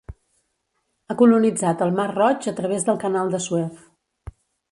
Ha colonitzat el Mar Roig a través del Canal de Suez.